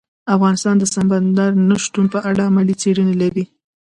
افغانستان د سمندر نه شتون په اړه علمي څېړنې لري.